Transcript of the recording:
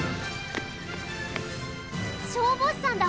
消防士さんだ！